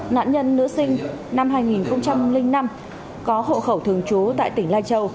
nạn nhân nữ sinh năm hai nghìn năm có hộ khẩu thường trú tại tỉnh lai châu